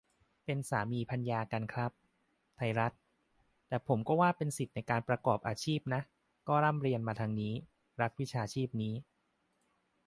เป็นสามี-ภรรยากันครับ ไทยรัฐ : แต่ผมว่าก็เป็นสิทธิในการประกอบอาชีพนะ ก็ร่ำเรียนมาทางนี้ รักวิชาชีพนี้